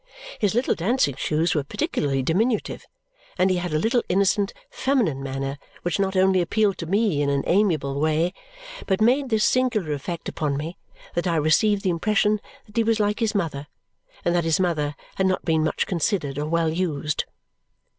His little dancing shoes were particularly diminutive, and he had a little innocent, feminine manner which not only appealed to me in an amiable way, but made this singular effect upon me, that I received the impression that he was like his mother and that his mother had not been much considered or well used.